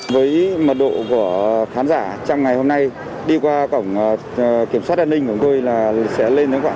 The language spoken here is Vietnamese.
với mật độ của khán giả trong ngày hôm nay đi qua cổng kiểm soát an ninh của tôi là sẽ lên đến khoảng